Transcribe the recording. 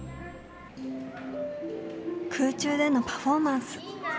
空中でのパフォーマンス。